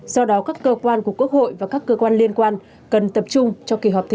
do đó các cơ quan của quốc hội và các cơ quan liên quan cần tập trung cho kỳ họp thứ tám